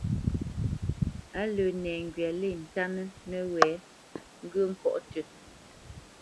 Á lə́ nɛŋgywa lê ntánə́ nəwɛ̌ ŋgyə̂ ŋkɔ̌ tʉ́.